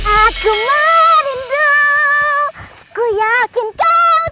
aku merindu ku yakin kau tahu